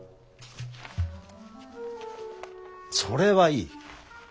それはいい。